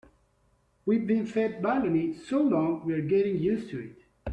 We've been fed baloney so long we're getting used to it.